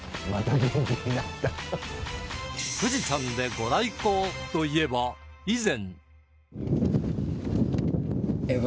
富士山でご来光といえば以前